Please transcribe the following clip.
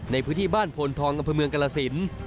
ในพื้นที่บ้านโพนทองอำเภอเมืองกรสิน